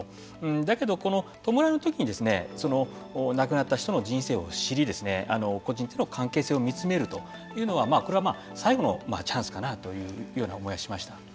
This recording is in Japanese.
だけど、弔いのときに亡くなった人の人生を知り故人との関係性を見つめるというのはこれは最後のチャンスかなというような思いがしました。